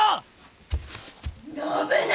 信長！